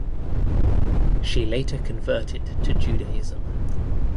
She later converted to Judaism.